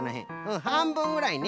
はんぶんぐらいね。